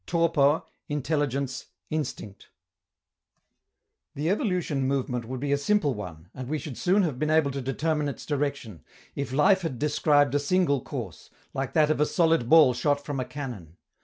TORPOR, INTELLIGENCE, INSTINCT The evolution movement would be a simple one, and we should soon have been able to determine its direction, if life had described a single course, like that of a solid ball shot from a cannon.